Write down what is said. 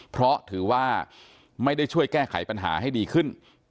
เพราะถือว่าไม่ได้ช่วยแก้ไขปัญหาให้ดีขึ้น